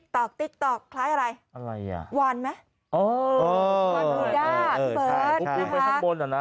ตกคล้ายอะไรวันไหมนี่แหละค่ะ